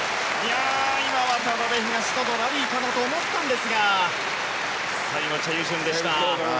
今、渡辺、東野のラリーかなと思ったんですが最後、チェ・ユジュンでした。